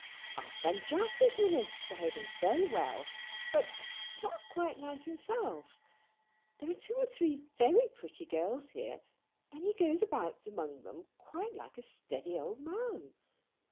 "Our friend Jack is with us, behaving very well, but not quite like himself. There are two or three very pretty girls here, but he goes about among them quite like a steady old man.